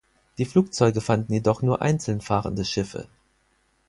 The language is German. Die Flugzeuge fanden jedoch nur einzeln fahrende Schiffe.